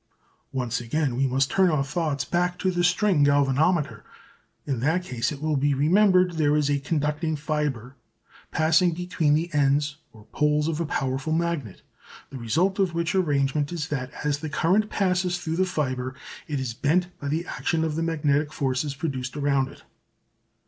Once again we must turn our thoughts back to the string galvanometer. In that case, it will be remembered, there is a conducting fibre passing between the ends or poles of a powerful magnet, the result of which arrangement is that as the current passes through the fibre it is bent by the action of the magnetic forces produced around it.